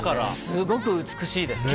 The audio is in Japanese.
すごく美しいです。